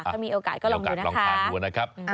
ถ้ามีโอกาสก็ลองดูนะคะ